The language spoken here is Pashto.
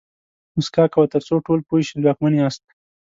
موسکا کوه تر څو ټول پوه شي ځواکمن یاست.